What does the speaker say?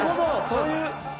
そういう。